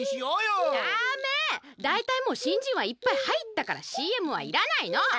だいたいもう新人はいっぱい入ったからＣＭはいらないの！